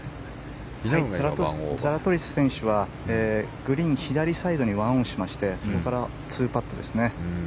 ザラトリス選手はグリーン左サイドに１オンしましてそこから２パットですね。